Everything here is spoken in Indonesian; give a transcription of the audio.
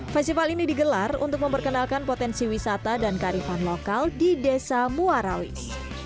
festival ini digelar untuk memperkenalkan potensi wisata dan karifan lokal di desa muarawis